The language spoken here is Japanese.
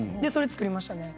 それを作りました。